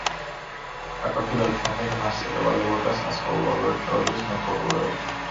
გაკვეთილების შემდეგ მას ევალებოდა სასკოლო ლაბორატორიის მეთვალყურეობა.